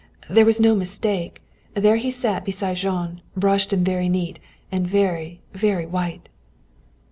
There was no mistake. There he sat beside Jean, brushed and very neat; and very, very white.